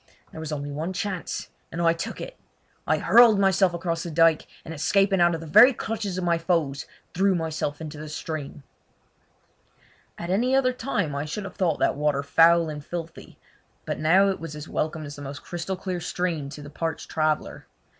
There was only one chance, and I took it. I hurled myself across the dyke, and escaping out of the very clutches of my foes threw myself into the stream. At any other time I should have thought that water foul and filthy, but now it was as welcome as the most crystal stream to the parched traveller.